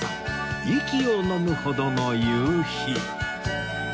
息をのむほどの夕日